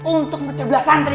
untuk mercablah santri